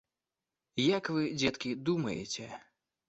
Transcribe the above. Як вы, дзеткі, думаеце?